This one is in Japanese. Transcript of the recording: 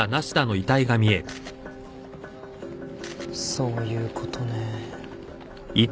そういうことね。